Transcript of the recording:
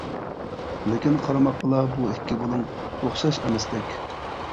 لېكىن قارىماققىلا بۇ ئىككى بۇلۇڭ ئوخشاش ئەمەستەك.